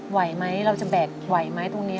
ไหวไหมเราจะแบกไหวไหมตรงนี้